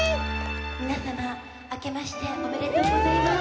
皆様あけましておめでとうございます。